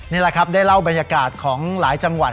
นี่แหละครับได้เล่าบรรยากาศของหลายจังหวัด